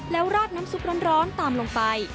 แล้วราดน้ำซุปร้อนตามลงไป